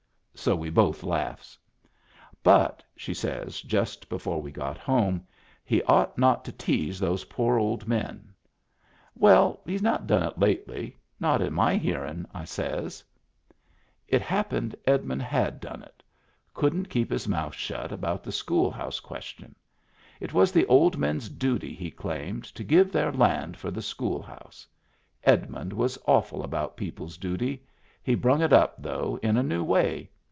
So we both laughs. " But," she says just before we got home, " he ought not to tease those poor old men." "Well, he's not done it lately — not in my hearin'," I says. Digitized by Google WHERE IT WAS 257 It happened Edmund had done it. Couldn't keep his mouth shut about the school house ques tion. It was the old men's duty, he claimed, to give their land for the school house. Edmund was awful about people's duty. He brung it up, though, in a new way.